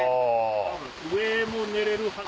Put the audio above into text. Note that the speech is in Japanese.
上も寝れるはず。